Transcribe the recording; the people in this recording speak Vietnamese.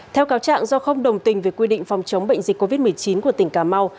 theo cáo trạng do không đồng tình về quy định phòng chống bệnh dịch covid một mươi chín của tỉnh cà mau